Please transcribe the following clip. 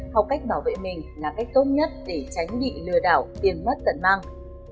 học cách bảo vệ mình là cách tốt nhất để tránh bị lừa đảo tiền mất tận mang